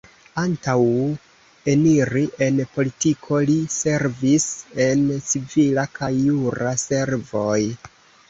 Antaŭ eniri en politiko, li servis en civila kaj jura servoj.